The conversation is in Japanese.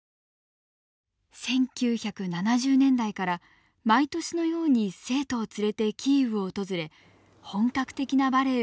１９７０年代から毎年のように生徒を連れてキーウを訪れ本格的なバレエを学ばせました。